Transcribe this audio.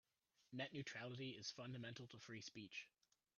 Net neutrality is fundamental to free speech.